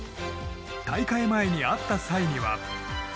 大会前に会った際には。